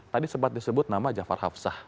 tadi sempat disebut nama jafar hafsah